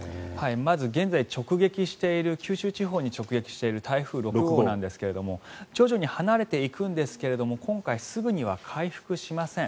まず現在九州地方に直撃している台風６号なんですが徐々に離れていくんですが今回、すぐには回復しません。